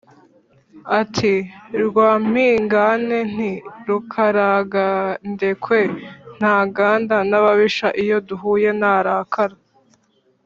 ati Rwampingane! Nti: Rukaragandekwe nangana n’ababisha iyo duhuye ndarakara.